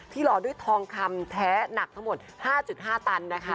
หล่อด้วยทองคำแท้หนักทั้งหมด๕๕ตันนะคะ